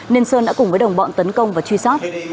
nên sơn đã cùng với đồng bọn tấn công và truy sát